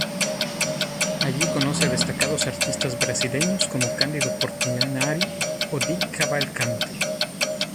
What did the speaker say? Allí conoce a destacados artistas brasileños como Cândido Portinari o Di Cavalcanti.